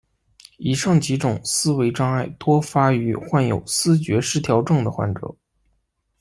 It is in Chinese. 以上几种思维障碍多发于患有思觉失调症的患者。